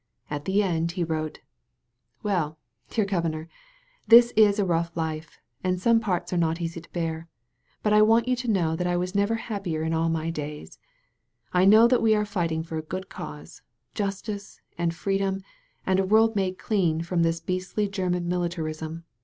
At the end he wrote: ''Well, dear Governor, this is a rough life, and some parts are not easy to bear. But I want you to know that I was never happier in a3 my days. I know that we are fighting for a good cause, jus tice, and freedom, and a world made clean from this beastly German militarism.